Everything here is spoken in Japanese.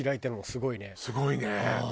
すごいね！